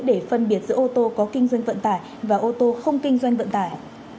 để phân biệt giữa ô tô có kinh doanh vận tải và ô tô không kinh doanh vận tải